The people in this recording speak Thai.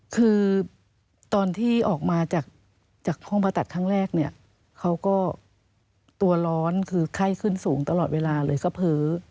คือตอนที่ออกมาจากห้องผ่าตัดครั้งแรกเนี่ยเขาก็ตัวร้อนคือไข้ขึ้นสูงตลอดเวลาเลยก็เพ้อ